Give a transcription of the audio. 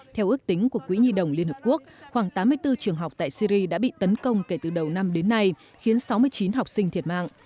theo ước tính của quỹ nhi đồng liên hợp quốc khoảng tám mươi bốn trường học tại syri đã bị tấn công kể từ đầu năm đến nay khiến sáu mươi chín học sinh thiệt mạng